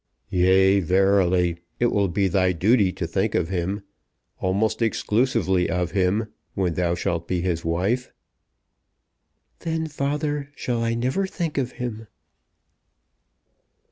"Yea, verily; it will be thy duty to think of him, almost exclusively of him, when thou shalt be his wife." "Then, father, shall I never think of him."